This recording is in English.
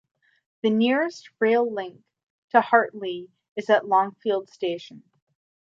The nearest rail link to Hartley is at Longfield station.